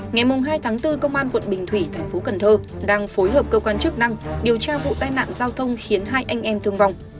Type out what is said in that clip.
ngày hai tháng bốn công an quận bình thủy thành phố cần thơ đang phối hợp cơ quan chức năng điều tra vụ tai nạn giao thông khiến hai anh em thương vong